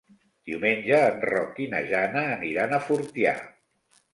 Diumenge en Roc i na Jana aniran a Fortià.